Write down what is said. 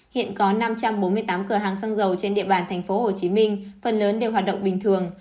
hiện có năm trăm bốn mươi tám cửa hàng xăng dầu trên địa bàn tp hcm phần lớn đều hoạt động bình thường